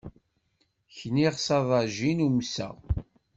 Kniɣ s aḍajin umseɣ.